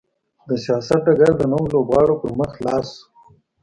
د سیاست ډګر د نویو لوبغاړو پر مخ خلاص شو.